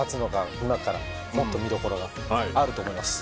今からもっと見どころがあると思います。